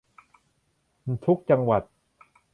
ทุกจังหวัด